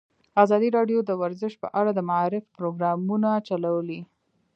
ازادي راډیو د ورزش په اړه د معارفې پروګرامونه چلولي.